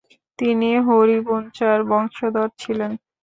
তিনি হরিভূঞার বংশধর ছিলেন।